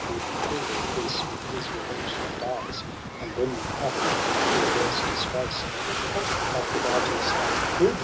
Would kill their peace with his revengeful darts. And bring them haply to a worse disgrace : But Aphrodite, saying ' Good